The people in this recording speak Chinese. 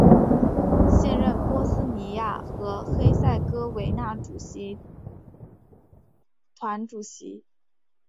现任波斯尼亚和黑塞哥维那主席团主席。